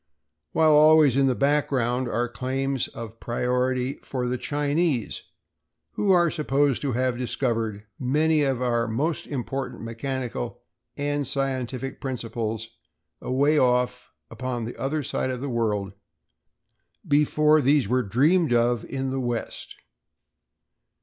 while always in the background are claims of priority for the Chinese who are supposed to have discovered many of our most important mechanical and scientific principles away off upon the other side of the world before these were dreamed of in the west.